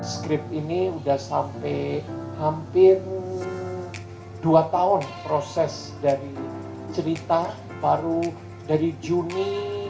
skrip ini udah sampai hampir dua tahun proses dari cerita baru dari juni dua ribu tujuh belas